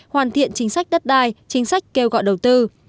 hoàn thiện chính sách đất đai chính sách kêu gọi đầu tư